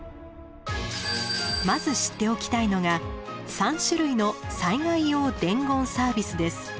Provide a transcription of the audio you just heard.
まず知っておきたいのが３種類の災害用伝言サービスです。